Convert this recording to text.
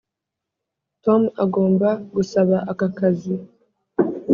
tom agomba gusaba aka kazi.